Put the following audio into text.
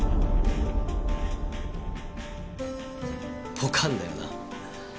ポカンだよな。